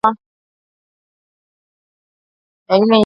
Dalili nyingine ya ugonjwa wa majimoyo ni wanyama kuharisha